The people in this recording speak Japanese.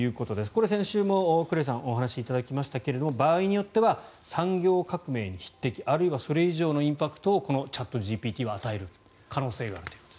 これ先週も栗原さんにお話しいただきましたが場合によっては産業革命に匹敵あるいはそれ以上のインパクトをこのチャットＧＰＴは与える可能性があると。